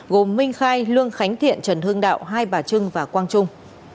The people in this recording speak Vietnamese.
gồm minh khai lương khánh thiện trần hưng đạo hai bà trưng và quang trung